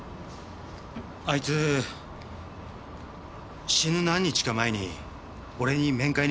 あいつ死ぬ何日か前に俺に面会に来たんです。